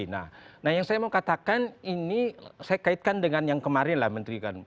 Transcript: nah yang saya mau katakan ini saya kaitkan dengan yang kemarin lah menteri kan